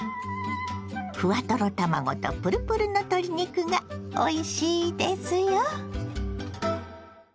ふわトロ卵とプルプルの鶏肉がおいしいですよ。